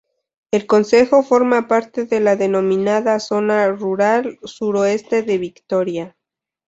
El concejo forma parte de la denominada Zona Rural Suroeste de Vitoria.